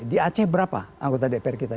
di aceh berapa anggota dpr kita